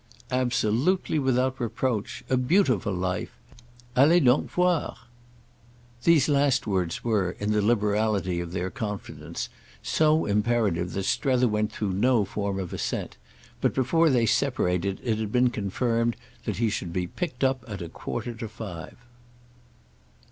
"Absolutely without reproach. A beautiful life. Allez donc voir!" These last words were, in the liberality of their confidence, so imperative that Strether went through no form of assent; but before they separated it had been confirmed that he should be picked up at a quarter to five.